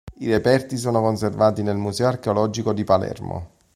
I reperti sono conservati nel Museo archeologico di Palermo.